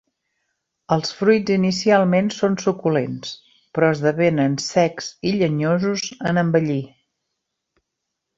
Els fruits inicialment són suculents però esdevenen secs i llenyosos en envellir.